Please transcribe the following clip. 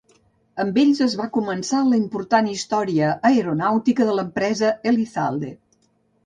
Amb ells es va començar la important història aeronàutica de l'empresa Elizalde.